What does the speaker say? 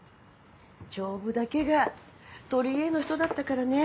丈夫だけが取り柄の人だったからね。